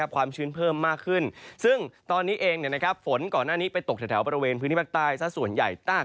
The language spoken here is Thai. ความชื้นเพิ่มมากขึ้นซึ่งตอนนี้เองฝนก่อนหน้านี้ไปตกแถวบริเวณพื้นที่ภาคใต้ซะส่วนใหญ่ตาก